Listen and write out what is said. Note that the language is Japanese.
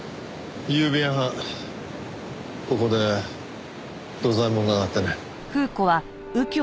ゆうべ夜半ここで土左衛門があがってね。